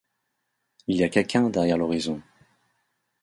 Il y a quelqu’un derrière l’horizon.